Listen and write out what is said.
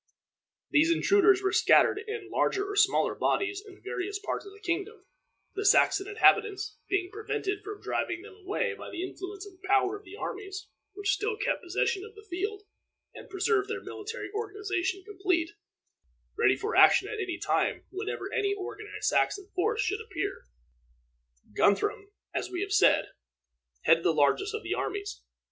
These intruders were scattered in larger or smaller bodies in various parts of the kingdom, the Saxon inhabitants being prevented from driving them away by the influence and power of the armies, which still kept possession of the field, and preserved their military organization complete, ready for action at any time whenever any organized Saxon force should appear. Guthrum, as we have said, headed the largest of these armies.